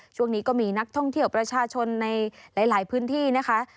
ช่วงนี้ก็มีนักท่องเที่ยวประชาชนในหลายพื้นที่นะคะ